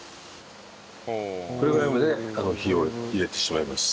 これぐらいまで火を入れてしまいます。